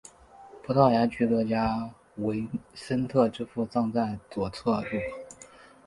葡萄牙剧作家维森特之父葬在左侧入口。